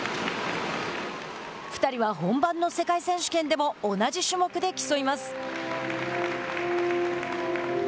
２人は本番の世界選手権でも同じ種目で競います。